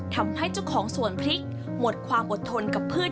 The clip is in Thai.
ทำให้เจ้าของสวนพริกหมดความอดทนกับพืช